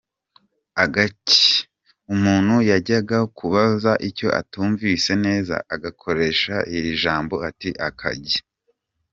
Agaki? : Umuntu yajyaga kubaza icyo atumvise neza, agakoresha iri jambo ati ‘agaki?’.